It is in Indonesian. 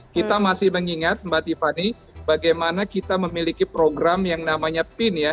kita masih mengingat mbak tiffany bagaimana kita memiliki program yang namanya pin ya